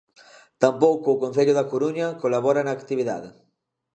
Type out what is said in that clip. Tampouco o Concello da Coruña colabora na actividade.